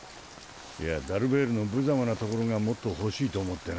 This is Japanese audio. いやダルベールのぶざまなところがもっとほしいとおもってね。